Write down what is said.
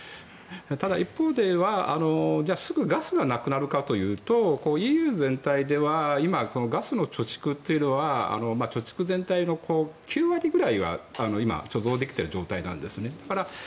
ただ、一方ではすぐガスがなくなるかというとＥＵ全体では今、ガスの貯蓄というのは貯蓄全体の９割ぐらいは貯蔵できている状態なんですね。